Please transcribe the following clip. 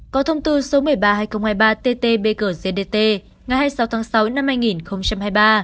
có thông tư số một mươi ba hai nghìn hai mươi ba tt bgdtt ngày hai mươi sáu tháng sáu năm hai nghìn hai mươi ba